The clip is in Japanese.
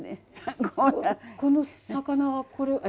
この魚はこれえ？